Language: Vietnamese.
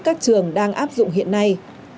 các trường đang áp dụng hiện nay